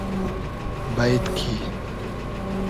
بݷد کی